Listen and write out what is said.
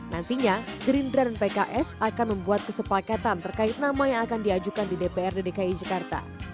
nantinya gerindra dan pks akan membuat kesepakatan terkait nama yang akan diajukan di dprd dki jakarta